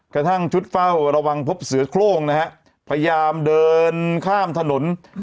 กระทั่งชุดเฝ้าระวังพบเสือโครงนะฮะพยายามเดินข้ามถนน